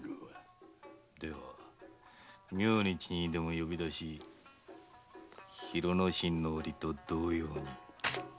では明日にでも呼び出し広之進のおりと同様に。